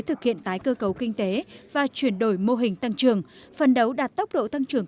thực hiện tái cơ cấu kinh tế và chuyển đổi mô hình tăng trưởng phần đấu đạt tốc độ tăng trưởng